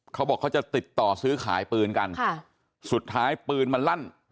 เขาบอกเขาจะติดต่อซื้อขายปืนกันค่ะสุดท้ายปืนมันลั่น